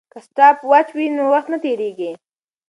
که سټاپ واچ وي نو وخت نه تېریږي.